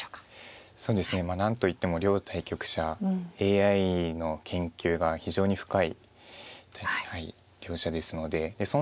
何といっても両対局者ＡＩの研究が非常に深い両者ですので。